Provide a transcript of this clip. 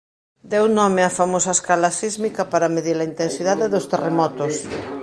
Deu nome á famosa escala sísmica para medir a intensidade dos terremotos.